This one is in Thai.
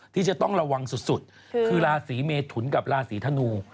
ที่จะต้องระวังสุดคือราศีเมทุนกับราศีธนู